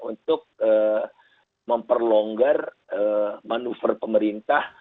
untuk memperlonggar manuver pemerintah